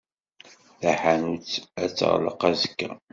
Taḥanut ad teɣleq azekka.